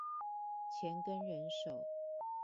錢跟人手